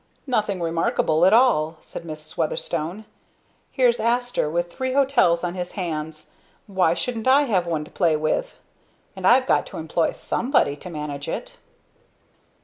"Nothing remarkable at all," said Mrs. Weatherstone. "Here's Astor with three big hotels on his hands why shouldn't I have one to play with? And I've got to employ somebody to manage it!"